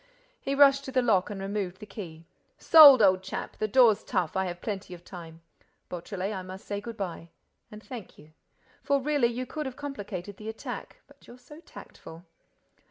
He rushed to the lock and removed the key. "Sold, old chap!—The door's tough.—I have plenty of time—Beautrelet, I must say good bye. And thank you!—For really you could have complicated the attack—but you're so tactful!"